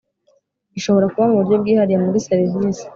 ishobora kuba mu buryo bwihariye muri serivisi